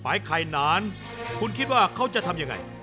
ไข่นานคุณคิดว่าเขาจะทำยังไง